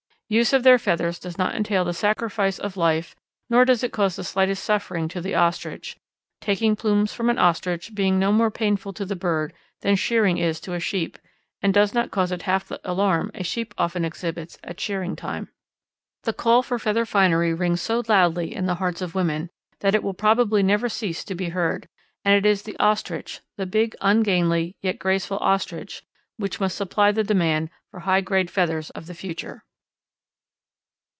Use of their feathers does not entail the sacrifice of life, nor does it cause the slightest suffering to the Ostrich; taking plumes from an Ostrich being no more painful to the bird than shearing is to a sheep and does not cause it half the alarm a sheep often exhibits at shearing time. The call for feather finery rings so loudly in the hearts of women that it will probably never cease to be heard, and it is the Ostrich the big, ungainly yet graceful Ostrich which must supply the demand for high grade feathers of the future.